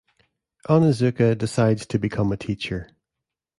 Onizuka decides to become a teacher.